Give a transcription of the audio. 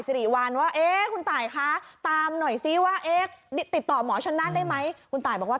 สิริวัลว่าเอ๊ะคุณตายคะตามหน่อยซิว่าเอ๊ะติดต่อหมอชนนั่นได้ไหมคุณตายบอกว่า